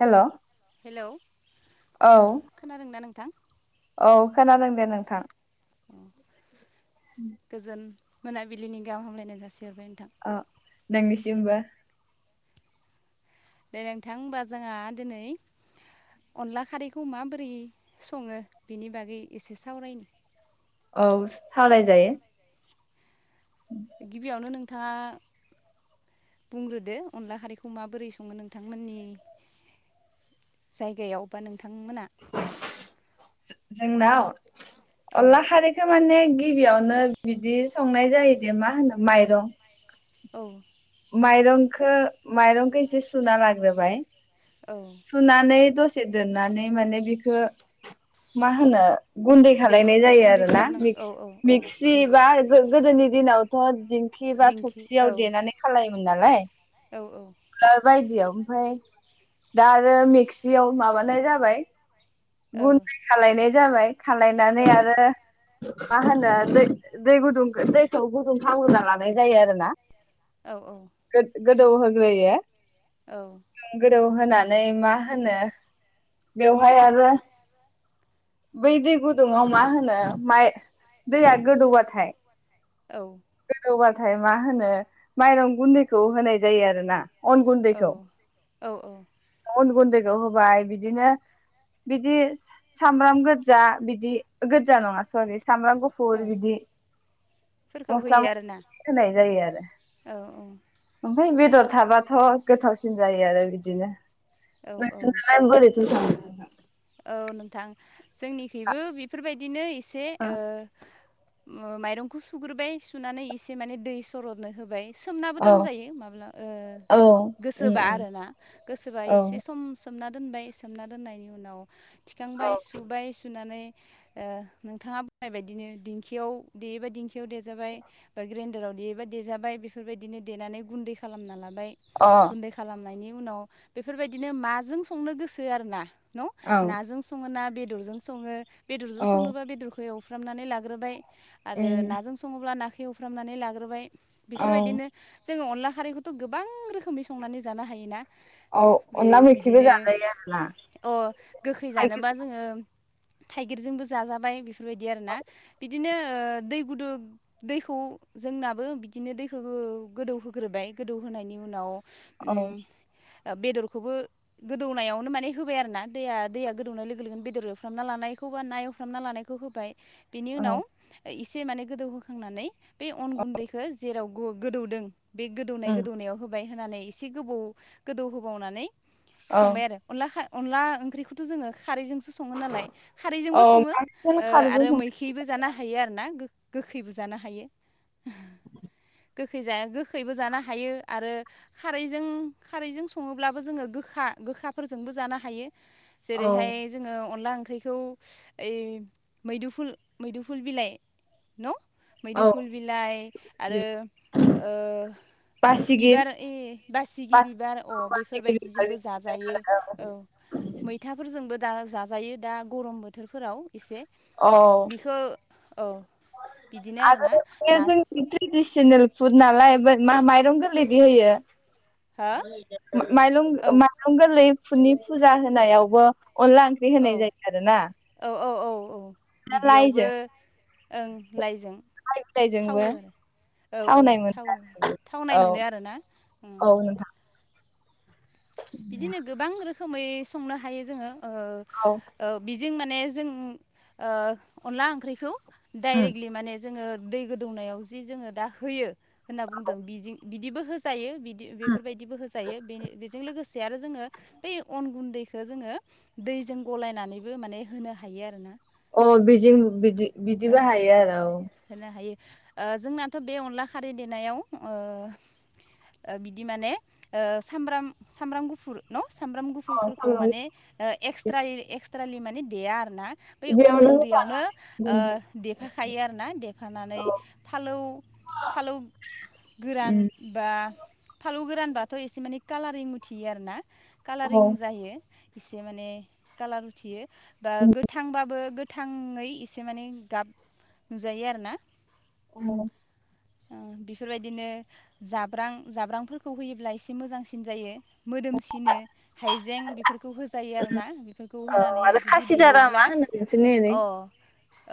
Hello hello ओ खोनादोंना नोंथां औ खोनादों दे नोंथां गोजोन मोनाबिलिनि गाहाम हामलायनाय जासि अ नोंनिसिमबो दे नोंथां होमबा जोंहा दिनै अनला खारैखौ माबोरै सङो बिनि बागै एसे सावरायनो औ सावरायजायो गिबियावनो नोंथाङा बुंग्रोदो अनला खारैखौ माबोरै सङो नोंथांमोननि जायगायाव बा नोंथांमोना जोंनाव औ अनला खारिखौ माने गिबियावनो बिदि संनाय जायो दे मा होनो माइरं औ माइरंखो माइरंखौ एसे सुना लाग्रोबाय औ सुनानै दसे दोननानै माने बिखो मा होनो गुन्दै दे खालायनाय जायो गुन्दै आरो ना खालामनांगौ मिक्स औ औ मिक्सि बा गोदोनि दिनावथ दिंखि बा थबसियाव देनानै खालायोमोन नालाय औ औ दियाव ओमफाय दा आरो मेक्सियाव माबानाय जाबाय औ गुन्दै खालायनाय जाबाय खालायनानै औ आरो मा होनो दै दै गुदुं दैखौ गुदुं खावलाना लानाय जायो आरो ना औ औ गोदौ होग्रोयो औ दौ होनानै मा होनो बेवहाय आरो [inaudible] बै दै गुदुङाव मा होनो माइ दैया गोदौबाथाय औ थाय मा होनो माइरं गुन्दैखौ होनाय जायो आरो ना अन गुन्दैखौ औ अन गुन्दैखौ होबाय बिदिनो बिदि सामब्राम गोजा बिदि गोजा नङा सरि सामब्राम औ गुफुर बिदि फोरखौ मस्ला होयो आरो मस्लि ना होनाय जायो आरो औ ओमफ्राय बेदर थाबाथ' गोथावसिन जायो आरो बिदिनो औ औ नोंसोरनालाय बोरैथो जायो औ नोंथां जोंनिखैबो बेफोरबायदिनो एसे ओ ओ माइरंखौ सुग्रोबाय सुनानै एसे माने दै सरदनो होबाय सोमनाबो औ दोनजायो माबा ओ औ उम गोसोबा आरोना गोसोबा एसे उम समसि सोमना दोनबाय सोमना दोननायनि उनाव औ थिखांबाय सुबाय सुनानै ओ नोंथाङा बुंनाय बायदिनो दिंखियाव देयोबा दिंखियाव देजाबाय बा ग्रेडाराव देयोबा देजाबाय बेफोरबायदिनो देनानै गुनदै खालामना ला बाय अ गुन्दै खालामनायनि उनाव बेफोरबायदिनो माजों संनो गोसो आरोना। न' औ नाजों सङो ना बेदरजों सङो बेदरजों औ संनोबा बेदरखौ एवफ्रामनानै लाग्रोबाय। आरो उम नाजों सङोब्ला नाखौ एवफ्रामनानै लाग्रोबाय औ बेफोरबायदिनो जोङो अनला खारैखौथ' गोबां रोखोमै संनानै जानो हायोना। औ बे अनला मैखिबो बिदिनो जाजायो आरो ना। अ गोखै जानोबा जोङो थाइगिरजोंबो जाजाबाय बेफोरबायदि आरोना बिदिनो ओ दै गुदु दैखौ जोंनाबो बिदिनो दैखौ गोदौहोग्रोबाय गोदौ होनायनि उनाव औ ओम ओ बेदरखौबो गोदौनायावनो माने होबाय आरो ना। दैया दैया गोदौनाय लोगो लोगोनो बेदर एवफ्रामना लानायखौ बा ना एवफ्रामना लानायखौ होबाय। बेनि उनाव औ ओइ इसे माने गोदौहोखांनानै बे अन गुन्दैखो जेराव गु गोदौदों बे गोदौनाय उम गोदौनायाव होबाय होनानै एसे गोबौ गोदौ होबावनानै औ संबाय आरो अनला खा- अनला ओंख्रिखौथ' जोङो खारैजोंसो सङो नालाय औ खारैजोंबो सङो, बांसिन ओ खारैजों आरोओ सं मैखैबो जानो हायो आरोना गो गोखैबो जानो हायो। गोखै जाया गोखैबो जानो हायो आरो खारैजों खारैजों सङोब्लाबो जोङो गोखा गोखा फोरजोंबो जानो हायो औ जेरैहाय जों अनला ओं ओंख्रिखौ ओइ मैदुफुल मैदुफुल बिलाइ न' औ मैदुफुल बिलाइ आरो ओ बासिगिर बिबार ए बासिगि बिबार अ बासिगिर बेफोरबायदिजोंबो जाजायो औ। मैथाफोरजोंबो दा जाजायो दा गरम बोथोरफोराव इसे औ बिखौ औ बिदिनो आरो आरोना ना जोंनि ट्रेडिसनेल फुड नालाय बो मा माइरं गोरलै दि होयो हो [inaudible] मा-माइलं औ माइरं गोरलै फुनि फुजा होनायावबो अनला ओंख्रि औ होनाय जायो आरो ना। औ औ औ बिदियावबो ओं लाइजों लाइ बिलाइजोंबो थावो औ औ थावनाय मोनो थावो। थावनाय आरो मोनो आरोना ओम। औ औ नोंथां बिदिनो गोबां रोखोमै संनो हायो जोङो ओ औ ओ बिज जिं माने जों ओ अनला ओंख्रिखौ डाइरेक्टलि माने जोङो दै गोदौनायाव जि जोङो दा होयो होनना बुंदों बिजिं बिदिबो होजायो बि दि बेफोरबायदिबो होजायो बेनि बेजों लोगोसे जि आरो जोङो बै अन गुन्दैखो जोङो दैजों गलायनानैबो माने होनो हायो आरो ना। अ बिजिं बिदि बिदिबो हायो आरो औ। होनो हायो ओ जोंनाथ' बे अनला खारि देनायाव ओ बिदि माने ओ सामब्राम सामब्राम गुफुर न' सामब्राम अ गुफुरफोरखौ सामब्राम माने गुफुर एक्सट्रायै एक्सट्रालि माने देया आरो ना। बै अन बेयावनो गुन्दैयावनो होफानानै ओ गुन्दै देफाखायो आरोना देफानानै फालौ फालौ गोरान उम बा फालौ गोरान बा थ' एसे माने कालारिं उथियो आर ना कालारिं औ जायो। एसे माने कालार उथियो बा गोथांबाबो गोथाङै एसे माने गाब नुजायो आरोना। औ। ओ बेफोरबायदिनो जाब्रां जाब्रांफोरखौ होयोब्ला एसे मोजांसिन जायो। मोदोमसिनो हाइजें बेफोरखौ होजायो आरोना बेफोरखौ होनानै आरो जुदि देयोब्ला [unintelligible] अ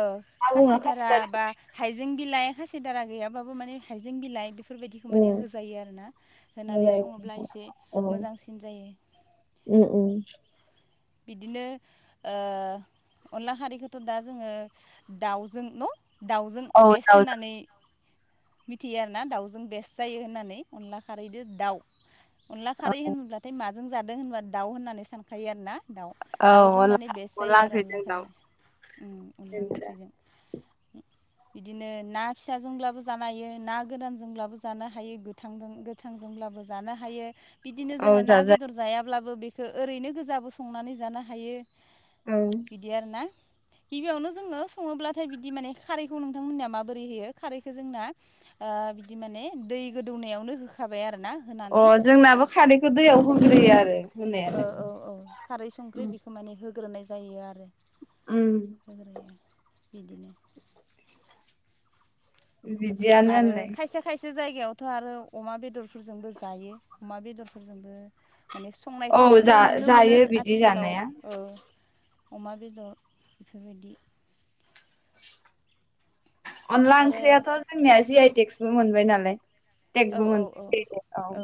ओ मा बुङो खासिधारा खासिदारा बा हाइजें बिलाइ खासि धारा गैयाबाबो माने हाइजें बिलाइ बे फोरबायदिखौ माने उम होजायो आरोना होनानै सङोब्ला एसे औ मोजांसिन जायो उम उम बिदिनो ओ अनला खारैखौथ' दा जोङो दाउजों न दाउजों औ बेस दाउजों होनानै मिथियो आरोना दाउजों बेस्ट जायो होननानै अनला खारै दो दाउ। अनला खारै होनब्लाथाय माजों जादों होनबा दाउ होननानै सानखायो आरोना। दाउ औ दाउजों अनला माने बेस्ट जायो आरो अनला ओंख्रिजों दाउ खारैया। उम अनला बेनोथ' ओंख्रिजों उम। बिदिनो ना फिसाजोंब्लाबो जानो हायो ना गोरानजोंब्लाबो जानो हायो गोथांदों गोथांजोंब्ला बाबो जानो हायो। बिदिनो औ जोङो ना जाजायो बेदर जायाब्लाबो बेखो ओरैनो गोजाबो संनानै जानो हायो। औ बिदि आरोना गिबियावनो जोंङो सङोब्लाथाय बिदि माने खारैखौ नोंथांमोननिया माबोरै होयो खारैखो जोंना ओ बिदि माने दै गोदौनायावनो होखाबाय आरोना अ होनानै जोंनाबो खारैखौ दैयाव होग्रोयो आरो ओ होनायालाय औ औ खारै संख्रि बेखौ माने होग्रोनाय जायो आरो उम होग्रोयो बिदिनो। सिथा [unintelligible] ओ बिदियानो ओनलाय इयावथ' आरो अमा बेदरफोरजोंबो जायो अमा बेदरफोरजोंबो माने औ संनायखौबो जा नुनो मोनो जायो जो बिदि आथिखालाव जानाया ओ अमा बेदर बेफोरबायदि अनला आरो ओंख्रियाथ' जोंनिया जि आइ टेक्सबो मोनबाय नालाय औ टेकबो मोन टेक अ औ।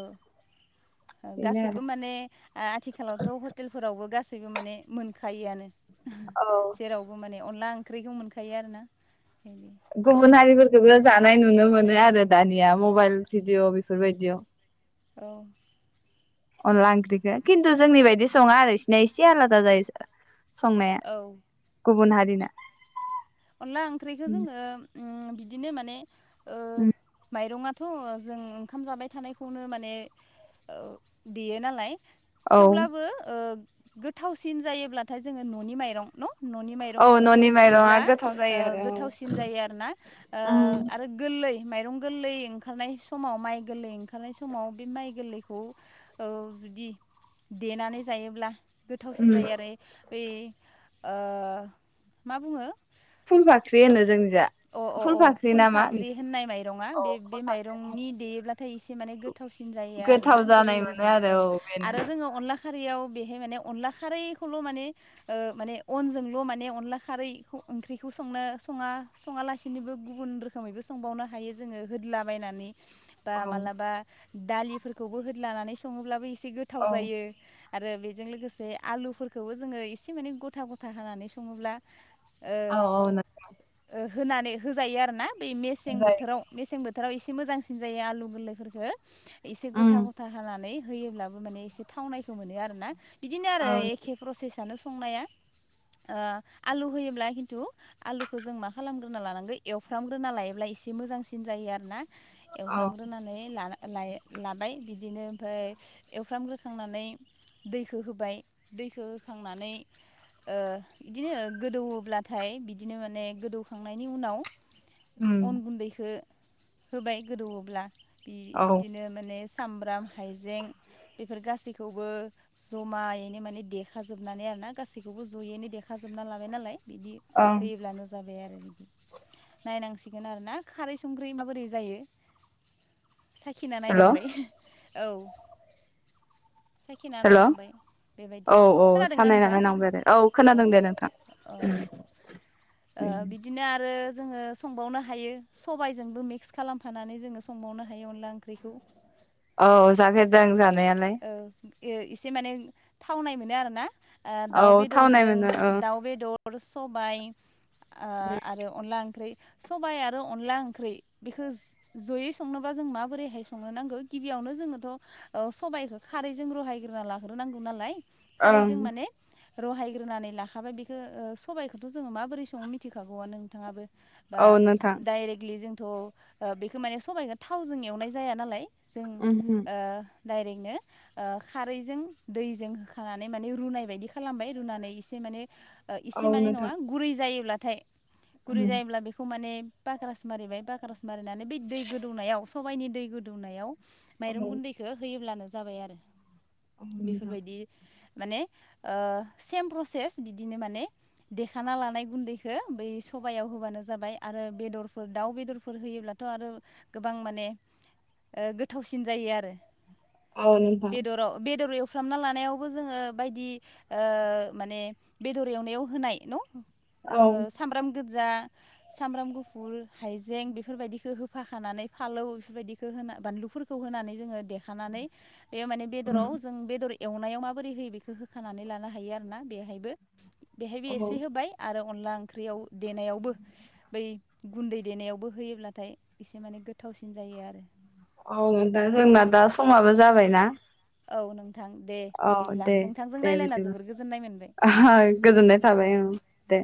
ओ बेनो गासैबो आरो माने आ आथिखालावथ' हटेलफोरावबो गासैबो माने मोनखायोआनो ओहो औ जेरावबो माने अनला ओंख्रिखौ मोनखायो आरोना। बिदि अ गुबुन हारिफोरखौबो जानाय नु नुनो मोनो आरो दानिया मबाइल भिडिअ' बेफोरबायदियाव। औ अनला ओंख्रिखो खिन्टु जोंनि बायदि सङा आरो इसिना एसे आलादा जायो इस आ संनाया औ गुबुन हारिना [unintelligible] अनला ओंख्रिखो जोङोम उम बिदिनो माने ओ माइरङा थ' जों ओंखाम जाबाय थानायखौनो माने ओ देयो नालाय औ थेवब्लाबो ओ गोथावसिन जायोब्लाथाय जोङो न'नि माइरं न न'नि औ माइरंखौ न'नि माइरङा देयोब्ला गोथाव ओ जायो आरो औ गोथावसिन जायो आरोना ओ उम आरो गोल लै माइरं गोललै ओंखारनाय समाव माइ गोललै ओंखारनाय समाव बे माइ गोललैखौ ओ खौ जुदि देनानै जायोब्ला उम गोथावसिन जायो आरै बै ओ मा बुङो फुल बाख्रि होनो जोंनि अ अ अ फुल फाख्रि होननाय माइरङा औ बे फुल बे फाख्रि माइरंनि देयोब्लाथाय एसे माने गोथाव थावसिन जायो आरोना गोथाव जानाय गोललै मोनो जों आरो ओ औ बेनो आरो जोङो अनला खारैयाव बेहाय माने अनला खारैखौल' माने ओ माने अनजोंल' माने अनला खारै खौ ओंख्रिखौसो संनो सङा सङालासिनोबो गुबुन रोखोमैबो संबावनो हायो जोङो होदलाबायनानै बा औ मालाबा दालिफोरखौबो होदलानानै सङोब्लाबो एसे गोथाव औ जायो। आरो बेजों लोगोसे आलुफोरखौबो जोङो एसे माने गथा गथा हानानै सङोब्ला ओ औ अ नोंथां। ओ होनानै होजायो आरो ना बै मेसें जायो बोथोराव मेसें बोथ थाराव एसे मोजांसिन जायो आलु गोरलैफोरखो एसे गथा उम गथा हानानै होयोब्लाबो माने एसे थावनायखौ मोनो आरोना बिदिनो आरो औ एखे प्रसेस आनो स संनाया ओ आलु होयोब्ला खिन्थु आलुखो जों मा खालामग्रोना लानांगो एवफ्रामग्रोना लायोब्ला एसे मोजांसिन जायो आरो ना औ एवफ्रामग्रोनानै लाना लायो लाबाय बिदिनो फोय एवफ्राम ग्रोखांनानै दैखो होबाय दैखो होखांनानै ओ बिदिनो गोदौओब्लाथाय बिदिनो माने गोदौ खांनायनि उनाव उम अन गुन्दैखो होबाय गोदौओब्ला बि औ बिदिनो माने सामब्राम, हाइजें बेफोर गासैखौबो जमायैनो माने देखाजोबनानै आरो ना गासैखौबो जयैनो देखाजोब जोबना लाबाय नालाय बिदि ओं होयोब्लानो जाबाय आरो। नायनांसिगोन आरो ना खारै संख्रै माबोरै जायो साखिना हेल' नायनांबाय औ। साखिना हेल' नायनांबाय औ बेबायदिनो औ खोनादोंना नोंथां सानायनानै नायनांबाय आरो औ खोनादों दे नोंथां। औ ओ बिदिनो आ आरो जोङो संबावनो हायो सबाइजोंबो मिक्स खालामफानानै जोङो संबावनो हायो अनला ओंख्रिखौ। औ जाफेरदों जानायालाय। ओ एसे माने थावनाय मोनो आरो ना ओ दाउ औ थावनाय बेदरजों मोनो औ दाउ बेदर सबाय ओ आरो अनला ओंख्रै सबाय आरो अनला ओंख्रै बेखो जयै संनोबा जों माबोरैहाय संनो नांगौ गिबियावनो जोङोथ' ओ सबायखो खारैजों रहायग्रोना लाग्रोनांगौ नालाय ओं खारैजों माने रहायग्रोनानै लाखाबाय बेखो ओ सबायखोथ' जोङो मा बोरै संङो मिथिखागौआनो नोंथाङाबो बा औ नोंथां डायरेकलि जों थ' ओ बेखो माने सबाइखो थावजों एवनाय जाया नालाय जों उम ओ डाइरेगनो ओ खारैजों दैजों होखानानै माने रुनाय बायदि खालामबाय रुनानै एसे माने ओ औ इसे माने नोंथां नङा गुरै जायोब्लाथाय गुरै उम जायोब्ला बेखौ माने पाकक्रास मारिबाय पाकक्रास मारिनानै बै दै गोदौनायाव सबाइनि दै गोदौनायाव औ माइरं गुन्दैखो होयोब्लानो जाबाय आरो औ नोंथां बेफोरबायदि माने ओ सेम प्रसेस बिदिनो माने दे खाना लानाय गुन्दैखो बै सबायाव होबानो जाबाय आरो बेदरफोर दाउ बेदरफोर होयोब्लाथ' आरो गोबां माने ओ गोथावसिन जायो आरो। औ नोंथां बेदर अ' बेदर एवफ फ्रामना लानायावबो जोङो बायदि ओ माने बेदर एवनायाव होनाय न' ओ औ सामब्राम गोजा सामब्राम गुफुर हाइजें बेफोरबायदिखो हो फाखानानै फालौ बिफोरबायदिखो होना बानलुफोरखौ होनानै जोङो देखानानै बे माने उम बेदराव जों बेदर एवनायाव माबोरै होयो बेखो होखानानै लानो हायो आरो ना बेहायबो बेहायबो औ एसे हो बाय आरो अनला ओंख्रियाव देनायावबो बै गुन्दै देनायावबो होयोब्लाथाय इसे माने गोथावसिन जायो आरो। औ दा जोंना दा समाबो जाबायना। औ नों नोंथां दे औ बिदिब्ला दे नोंथांजों दे रायलायना जोबोर बिदिब्ला गोजोननाय मोनबाय गोजोननाय थाबाय औ दे। दे।